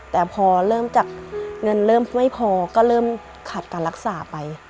แต่พอเริ่มจากเงินเริ่มไม่พอก็เริ่มขาดการรักษาไป